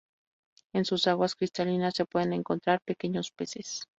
En sus aguas cristalinas se pueden encontrar pequeños peces.